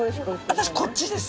私こっちです。